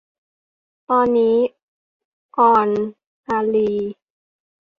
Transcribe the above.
ตอนนี้ อรอรีย์